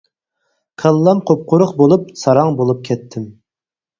كاللام قۇپقۇرۇق بولۇپ ساراڭ بولۇپ كەتتىم.